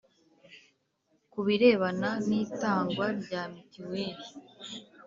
ku birebana nitangwa rya mitiweli.